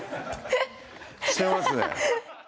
してますね